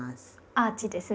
アーチですね。